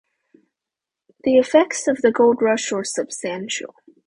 The effects of the Gold Rush were substantial.